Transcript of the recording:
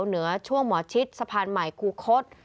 เหนือช่วงหมอชิดสะพานใหม่คูคศ